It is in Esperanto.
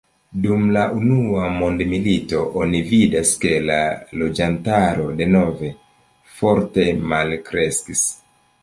Dum la Unua Mondmilito oni vidas, ke la loĝantaro denove forte malkreskis.